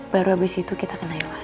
baru abis itu kita ke nailah